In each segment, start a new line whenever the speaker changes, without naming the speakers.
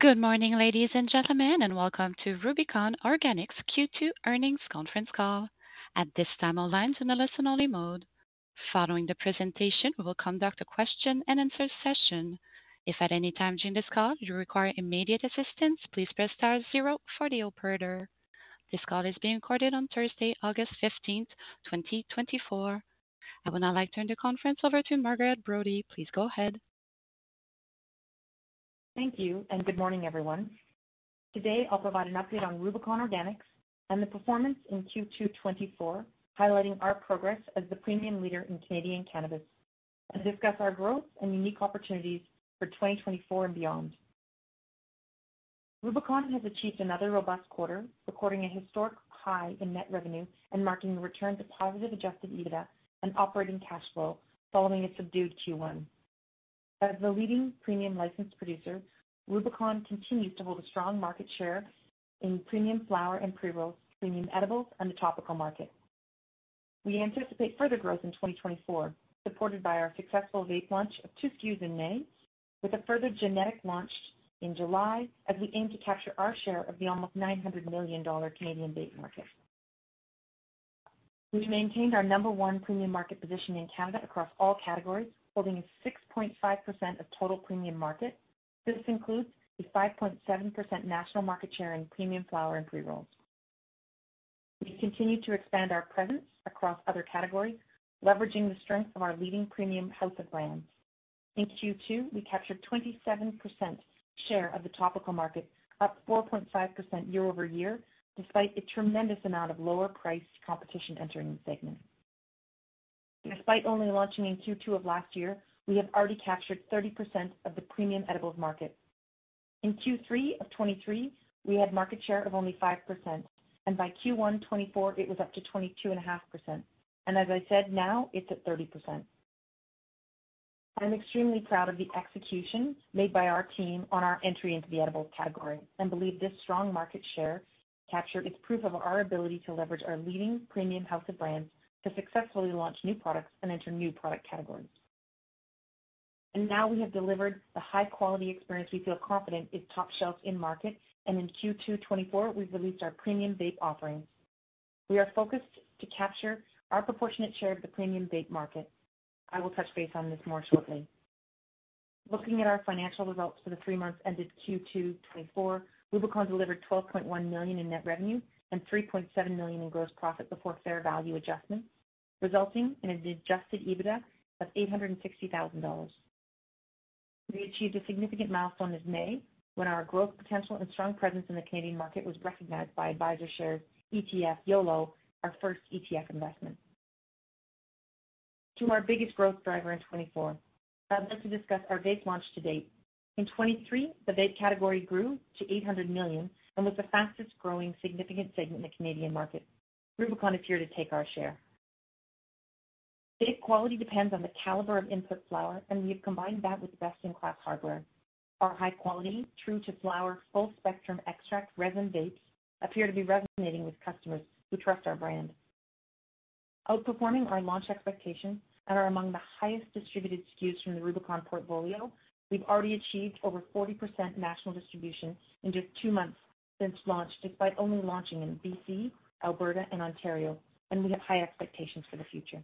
Good morning, ladies and gentlemen, and welcome to Rubicon Organics Q2 earnings conference call. At this time, all lines in a listen-only mode. Following the presentation, we will conduct a question-and-answer session. If at any time during this call you require immediate assistance, please press star zero for the operator. This call is being recorded on Thursday, August 15, 2024. I would now like to turn the conference over to Margaret Brodie. Please go ahead.
Thank you, and good morning, everyone. Today I'll provide an update on Rubicon Organics and the performance in Q2 2024, highlighting our progress as the premium leader in Canadian cannabis, and discuss our growth and unique opportunities for 2024 and beyond. Rubicon has achieved another robust quarter, recording a historic high in net revenue and marking a return to positive Adjusted EBITDA and operating cash flow following a subdued Q1. As the leading premium licensed producer, Rubicon continues to hold a strong market share in premium flower and pre-rolls, premium edibles, and the topical market. We anticipate further growth in 2024, supported by our successful vape launch of 2 SKUs in May, with a further genetic launch in July, as we aim to capture our share of the almost 900 million Canadian dollars Canadian vape market. We've maintained our No. 1 premium market position in Canada across all categories, holding a 6.5% of total premium market. This includes a 5.7% national market share in premium flower and pre-rolls. We continue to expand our presence across other categories, leveraging the strength of our leading premium house of brands. In Q2, we captured 27% share of the topical market, up 4.5% year-over-year, despite a tremendous amount of lower-priced competition entering the segment. Despite only launching in Q2 of last year, we have already captured 30% of the premium edibles market. In Q3 of 2023, we had market share of only 5%, and by Q1 2024 it was up to 22.5%, and as I said, now it's at 30%. I'm extremely proud of the execution made by our team on our entry into the edibles category and believe this strong market share captured is proof of our ability to leverage our leading premium house of brands to successfully launch new products and enter new product categories. And now we have delivered the high-quality experience we feel confident is top shelf in market, and in Q2 2024, we've released our premium vape offerings. We are focused to capture our proportionate share of the premium vape market. I will touch base on this more shortly. Looking at our financial results for the three months ended Q2 2024, Rubicon delivered 12.1 million in net revenue and 3.7 million in gross profit before fair value adjustments, resulting in an Adjusted EBITDA of 860,000 dollars. We achieved a significant milestone this May, when our growth potential and strong presence in the Canadian market was recognized by AdvisorShares ETF YOLO, our first ETF investment. To our biggest growth driver in 2024, I'd like to discuss our vape launch to date. In 2023, the vape category grew to 800 million and was the fastest-growing significant segment in the Canadian market. Rubicon is here to take our share. Vape quality depends on the caliber of input flower, and we have combined that with best-in-class hardware. Our high-quality, true-to-flower, full-spectrum extract resin vapes appear to be resonating with customers who trust our brand. Outperforming our launch expectations and are among the highest distributed SKUs from the Rubicon portfolio, we've already achieved over 40% national distribution in just 2 months since launch, despite only launching in BC, Alberta, and Ontario, and we have high expectations for the future.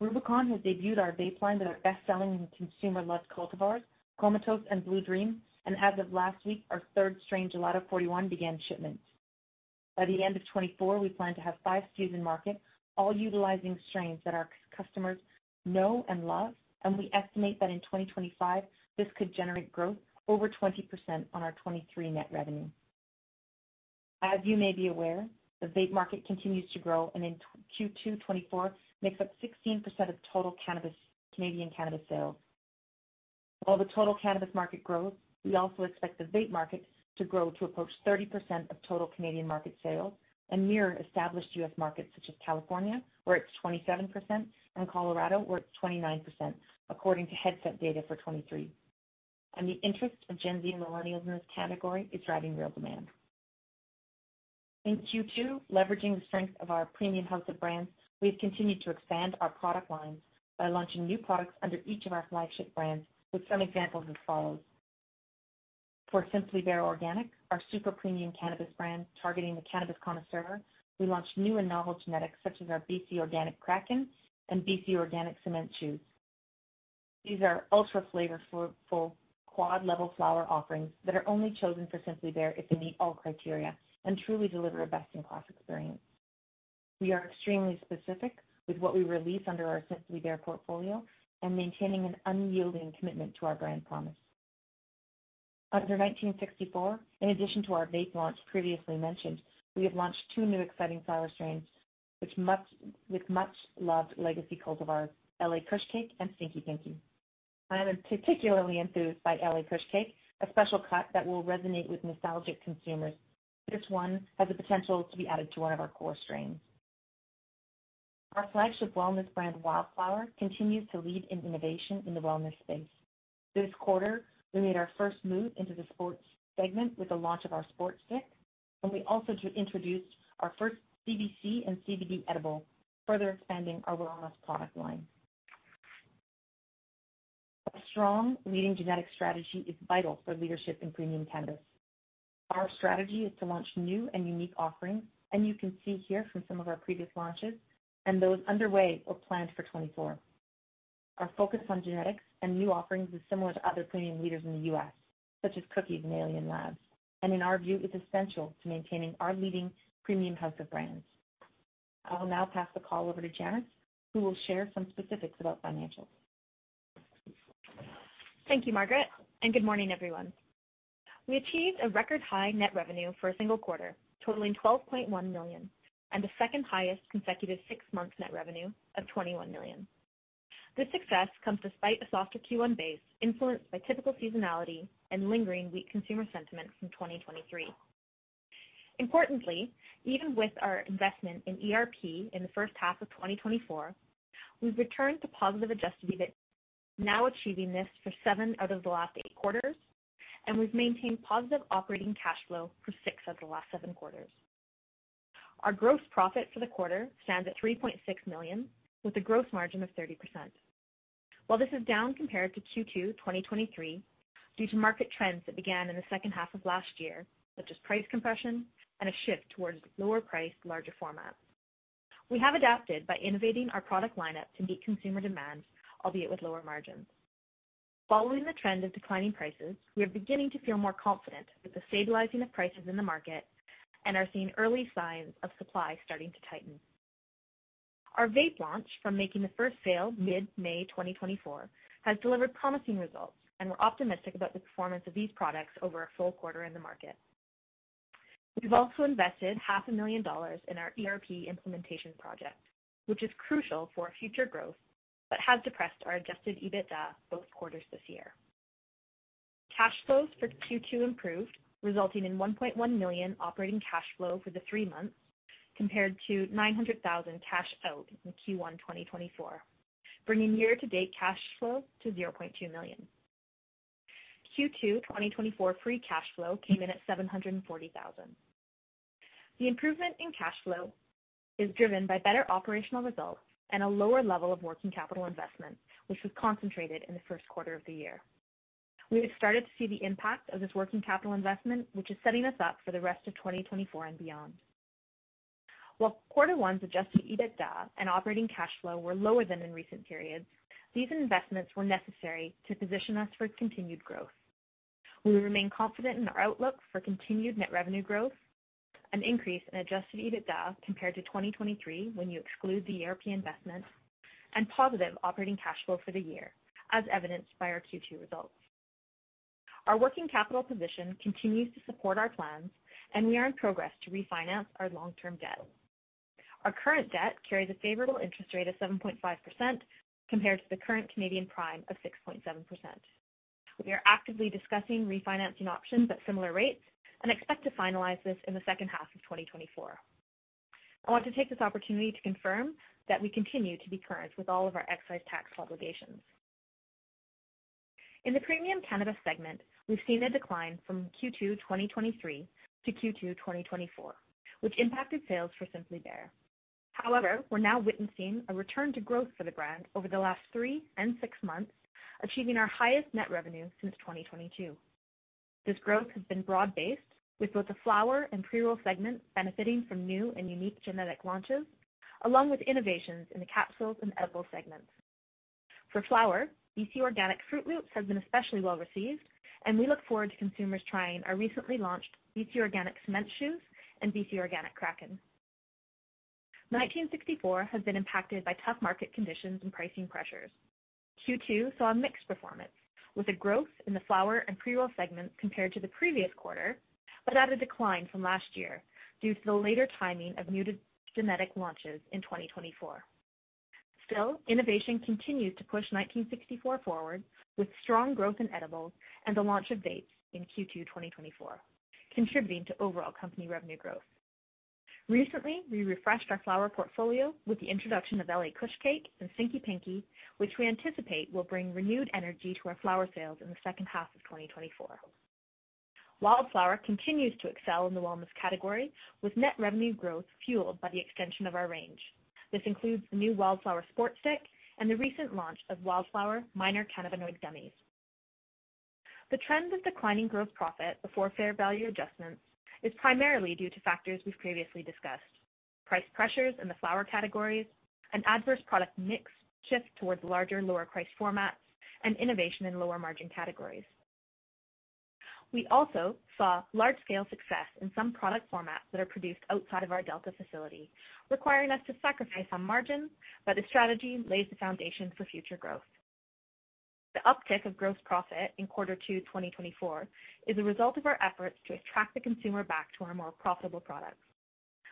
Rubicon has debuted our vape line with our best-selling and consumer-loved cultivars, Comatose and Blue Dream, and as of last week, our third strain, Gelato #41, began shipments. By the end of 2024, we plan to have 5 SKUs in market, all utilizing strains that our customers know and love, and we estimate that in 2025, this could generate growth over 20% on our 2023 net revenue. As you may be aware, the vape market continues to grow and in Q2 2024 makes up 16% of total cannabis, Canadian cannabis sales. While the total cannabis market grows, we also expect the vape market to grow to approach 30% of total Canadian market sales and mirror established US markets such as California, where it's 27%, and Colorado, where it's 29%, according to Headset data for 2023. The interest of Gen Z and millennials in this category is driving real demand. In Q2, leveraging the strength of our premium house of brands, we've continued to expand our product lines by launching new products under each of our flagship brands, with some examples as follows: For Simply Bare Organic, our super premium cannabis brand, targeting the cannabis connoisseur, we launched new and novel genetics such as our BC Organic Kraken and BC Organic Cement Shoes. These are ultra-flavorful, full quad level flower offerings that are only chosen for Simply Bare if they meet all criteria and truly deliver a best-in-class experience. We are extremely specific with what we release under our Simply Bare portfolio and maintaining an unyielding commitment to our brand promise. Under 1964, in addition to our vape launch previously mentioned, we have launched two new exciting flower strains, with much-loved legacy cultivars, 1964 Supply Co. LA Kush Cake and 1964 Supply Co. Stinky Pinky. I am particularly enthused by 1964 Supply Co. LA Kush Cake, a special cut that will resonate with nostalgic consumers. This one has the potential to be added to one of our core strains. Our flagship wellness brand, Wildflower, continues to lead in innovation in the wellness space. This quarter, we made our first move into the sports segment with the launch of our Sports Stick, and we also introduced our first CBC and CBD edible, further expanding our wellness product line. A strong, leading genetic strategy is vital for leadership in premium cannabis. Our strategy is to launch new and unique offerings, and you can see here from some of our previous launches and those underway or planned for 2024. Our focus on genetics and new offerings is similar to other premium leaders in the U.S., such as Cookies and Alien Labs, and in our view, it's essential to maintaining our leading premium house of brands. I will now pass the call over to Janis, who will share some specifics about financials.
Thank you, Margaret, and good morning, everyone. We achieved a record-high net revenue for a single quarter, totaling 12.1 million, and the second highest consecutive six-month net revenue of 21 million. This success comes despite a softer Q1 base, influenced by typical seasonality and lingering weak consumer sentiment from 2023. Importantly, even with our investment in ERP in the first half of 2024, we've returned to positive adjusted EBIT, now achieving this for seven out of the last eight quarters, and we've maintained positive operating cash flow for six of the last seven quarters. Our gross profit for the quarter stands at 3.6 million, with a gross margin of 30%. While this is down compared to Q2, 2023, due to market trends that began in the second half of last year, such as price compression and a shift towards lower-priced, larger formats. We have adapted by innovating our product lineup to meet consumer demand, albeit with lower margins. Following the trend of declining prices, we are beginning to feel more confident with the stabilizing of prices in the market and are seeing early signs of supply starting to tighten. Our vape launch, from making the first sale mid-May 2024, has delivered promising results, and we're optimistic about the performance of these products over a full quarter in the market. We've also invested 500,000 dollars in our ERP implementation project, which is crucial for future growth, but has depressed our adjusted EBITDA both quarters this year. Cash flows for Q2 improved, resulting in 1.1 million operating cash flow for the three months, compared to 900,000 cash out in Q1, 2024, bringing year-to-date cash flow to 0.2 million. Q2 2024 free cash flow came in at 740,000. The improvement in cash flow is driven by better operational results and a lower level of working capital investment, which was concentrated in the Q1 of the year. We have started to see the impact of this working capital investment, which is setting us up for the rest of 2024 and beyond. While quarter one's adjusted EBITDA and operating cash flow were lower than in recent periods, these investments were necessary to position us for continued growth. We remain confident in our outlook for continued net revenue growth, an increase in adjusted EBITDA compared to 2023, when you exclude the ERP investment, and positive operating cash flow for the year, as evidenced by our Q2 results. Our working capital position continues to support our plans, and we are in progress to refinance our long-term debt. Our current debt carries a favorable interest rate of 7.5%, compared to the current Canadian prime of 6.7%. We are actively discussing refinancing options at similar rates and expect to finalize this in the second half of 2024. I want to take this opportunity to confirm that we continue to be current with all of our excise tax obligations. In the premium cannabis segment, we've seen a decline from Q2 2023 to Q2 2024, which impacted sales for Simply Bare. However, we're now witnessing a return to growth for the brand over the last three and six months, achieving our highest net revenue since 2022. This growth has been broad-based, with both the flower and pre-roll segments benefiting from new and unique genetic launches, along with innovations in the capsules and edible segments. For flower, BC Organic Fruit Loopz has been especially well-received, and we look forward to consumers trying our recently launched BC Organic Cement Shoes and BC Organic Kraken. 1964 has been impacted by tough market conditions and pricing pressures. Q2 saw a mixed performance, with a growth in the flower and pre-roll segments compared to the previous quarter, but at a decline from last year due to the later timing of new genetic launches in 2024. Still, innovation continues to push 1964 forward, with strong growth in edibles and the launch of vapes in Q2, 2024, contributing to overall company revenue growth. Recently, we refreshed our flower portfolio with the introduction of LA Kush Cake and Stinky Pinky, which we anticipate will bring renewed energy to our flower sales in the second half of 2024. Wildflower continues to excel in the wellness category, with net revenue growth fueled by the extension of our range. This includes the new Wildflower Sports Stick and the recent launch of Wildflower Minor Cannabinoid Gummies. The trend of declining gross profit before fair value adjustments is primarily due to factors we've previously discussed: price pressures in the flower categories, an adverse product mix shift towards larger, lower-priced formats, and innovation in lower-margin categories. We also saw large-scale success in some product formats that are produced outside of our Delta facility, requiring us to sacrifice on margins, but the strategy lays the foundation for future growth. The uptick of gross profit in Q2 2024 is a result of our efforts to attract the consumer back to our more profitable products.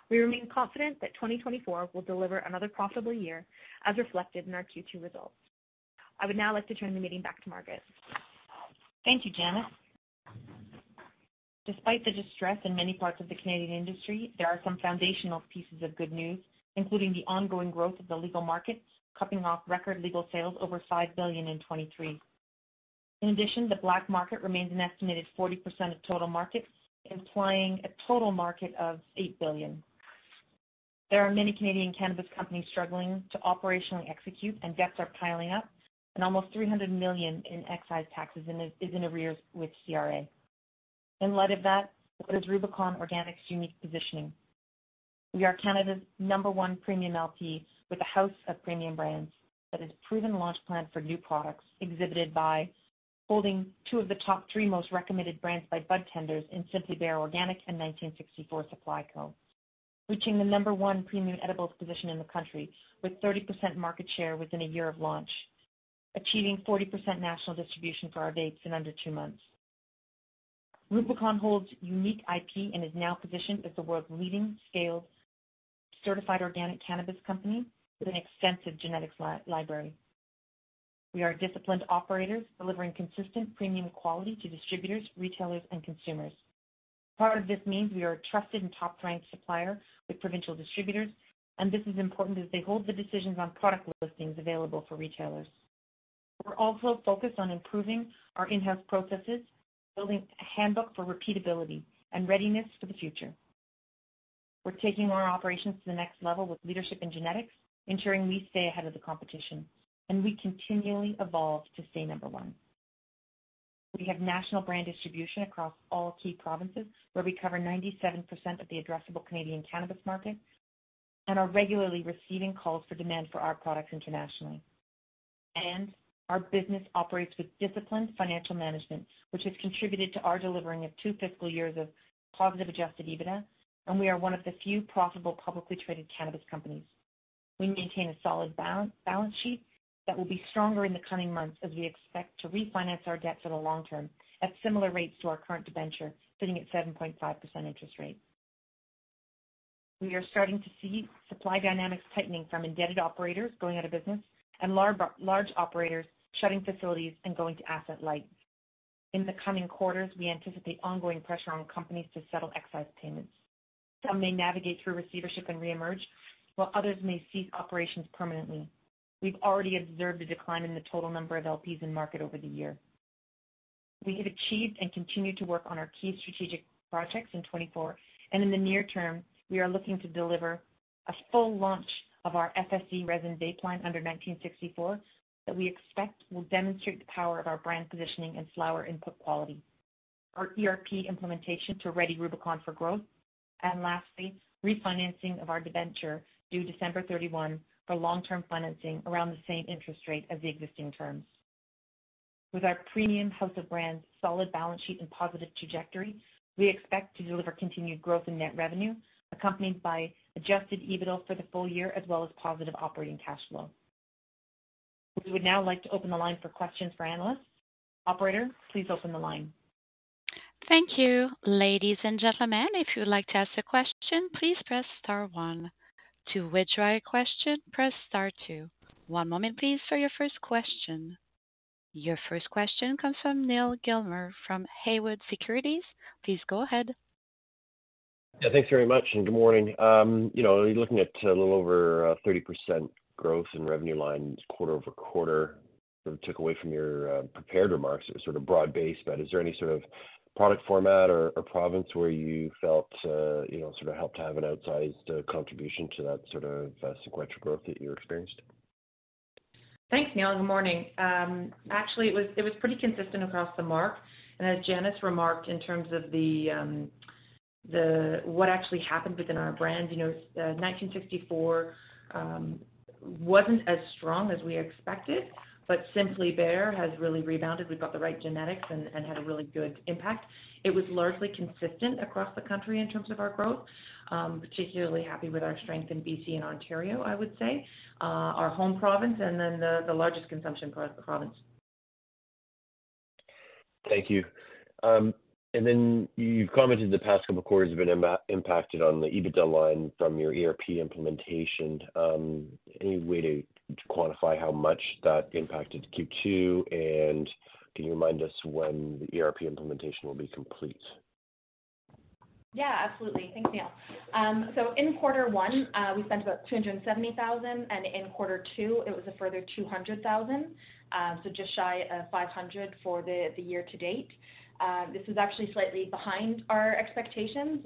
We remain confident that 2024 will deliver another profitable year, as reflected in our Q2 results. I would now like to turn the meeting back to Margaret.
Thank you, Janis. Despite the distress in many parts of the Canadian industry, there are some foundational pieces of good news, including the ongoing growth of the legal markets, capping off record legal sales over 5 billion in 2023. In addition, the black market remains an estimated 40% of total market, implying a total market of 8 billion. There are many Canadian cannabis companies struggling to operationally execute, and debts are piling up, and almost 300 million in excise taxes is in arrears with CRA. In light of that, what is Rubicon Organics' unique positioning? We are Canada's number one premium LP, with a house of premium brands that has proven launch plan for new products, exhibited by holding two of the top three most recommended brands by budtenders in Simply Bare Organic and 1964 Supply Co. Reaching the number one premium edibles position in the country, with 30% market share within a year of launch. Achieving 40% national distribution for our vapes in under 2 months. Rubicon holds unique IP and is now positioned as the world's leading scaled, certified organic cannabis company with an extensive genetics library. We are disciplined operators, delivering consistent premium quality to distributors, retailers, and consumers. Part of this means we are a trusted and top-ranked supplier with provincial distributors, and this is important as they hold the decisions on product listings available for retailers. We're also focused on improving our in-house processes, building a handbook for repeatability and readiness for the future. We're taking our operations to the next level with leadership and genetics, ensuring we stay ahead of the competition, and we continually evolve to stay number one. We have national brand distribution across all key provinces, where we cover 97% of the addressable Canadian cannabis market and are regularly receiving calls for demand for our products internationally. Our business operates with disciplined financial management, which has contributed to our delivering of two fiscal years of positive adjusted EBITDA, and we are one of the few profitable, publicly traded cannabis companies. We maintain a solid balance sheet that will be stronger in the coming months, as we expect to refinance our debt for the long term at similar rates to our current debenture, sitting at 7.5% interest rate. We are starting to see supply dynamics tightening from indebted operators going out of business and large operators shutting facilities and going to asset light. In the coming quarters, we anticipate ongoing pressure on companies to settle excise payments. Some may navigate through receivership and reemerge, while others may cease operations permanently. We've already observed a decline in the total number of LPs in market over the year. We have achieved and continue to work on our key strategic projects in 2024, and in the near term, we are looking to deliver a full launch of our FSE resin vape line under 1964, that we expect will demonstrate the power of our brand positioning and flower input quality. Our ERP implementation to ready Rubicon for growth. And lastly, refinancing of our debenture, due December 31, for long-term financing around the same interest rate as the existing terms. With our premium house of brands, solid balance sheet and positive trajectory, we expect to deliver continued growth in net revenue, accompanied by adjusted EBITDA for the full year, as well as positive operating cash flow. We would now like to open the line for questions for analysts. Operator, please open the line.
Thank you. Ladies and gentlemen, if you would like to ask a question, please press star one. To withdraw your question, press star two. One moment, please, for your first question. Your first question comes from Neal Gilmer from Haywood Securities. Please go ahead.
Yeah, thanks very much, and good morning. You know, you're looking at a little over 30% growth in revenue lines, quarter-over-quarter. That we took away from your prepared remarks, it was sort of broad-based, but is there any sort of product format or province where you felt you know, sort of helped to have an outsized contribution to that sort of sequential growth that you experienced?
Thanks, Neal. Good morning. Actually, it was pretty consistent across the market, and as Janis remarked, in terms of the what actually happened within our brand, you know, 1964 wasn't as strong as we expected, but Simply Bare has really rebounded. We've got the right genetics and had a really good impact. It was largely consistent across the country in terms of our growth. Particularly happy with our strength in BC and Ontario, I would say, our home province, and then the largest consumption province.
Thank you. And then you've commented the past couple of quarters have been impacted on the EBITDA line from your ERP implementation. Any way to quantify how much that impacted Q2? And can you remind us when the ERP implementation will be complete?
Yeah, absolutely. Thanks, Neal. So in quarter one, we spent about 270,000, and in Q2, it was a further 200,000. So just shy of 500,000 for the year to date. This is actually slightly behind our expectations.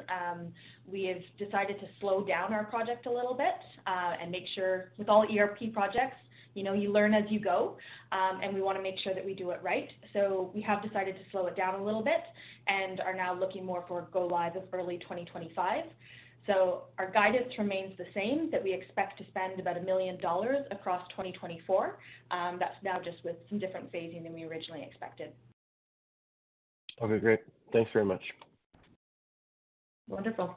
We have decided to slow down our project a little bit, and make sure... With all ERP projects, you know, you learn as you go, and we want to make sure that we do it right. So we have decided to slow it down a little bit and are now looking more for go-live as early 2025. So our guidance remains the same, that we expect to spend about 1 million dollars across 2024. That's now just with some different phasing than we originally expected.
Okay, great. Thanks very much.
Wonderful.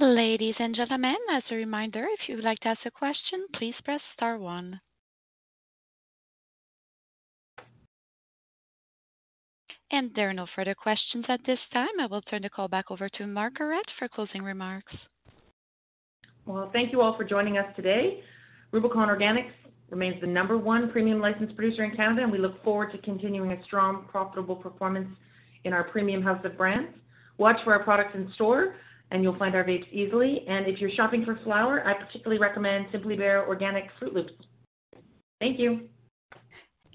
Ladies and gentlemen, as a reminder, if you would like to ask a question, please press star one. There are no further questions at this time. I will turn the call back over to Margaret for closing remarks.
Well, thank you all for joining us today. Rubicon Organics remains the number one premium licensed producer in Canada, and we look forward to continuing a strong, profitable performance in our premium house of brands. Watch for our products in store, and you'll find our vapes easily. If you're shopping for flower, I particularly recommend Simply Bare Organic Fruit Loopz. Thank you.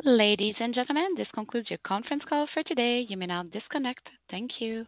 Ladies and gentlemen, this concludes your conference call for today. You may now disconnect. Thank you.